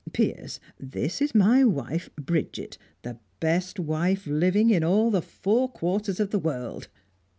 Piers, this is my wife, Bridget the best wife living in all the four quarters of the world!"